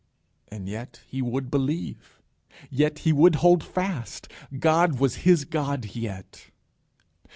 And yet he would believe. Yet he would hold fast. God was his God yet.